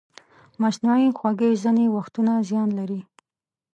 مصنوعي خوږې ځینې وختونه زیان لري.